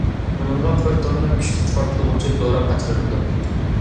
ئۇنىڭغا بىر توننا كۈچلۈك پارتلىغۇچى دورا قاچىلىنىدۇ.